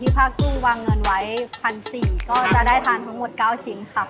ก็จะได้ทานทั้งหมด๙ชิ้นค่ะ